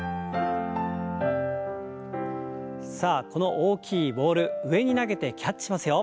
さあこの大きいボール上に投げてキャッチしますよ。